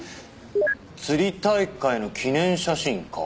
釣り大会の記念写真か？